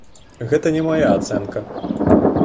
Гэта не мая ацэнка.